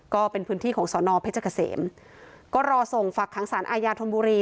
ก็เป็นพื้นที่ของสอนอเพชรเกษมก็รอส่งฝักขังสารอาญาธนบุรี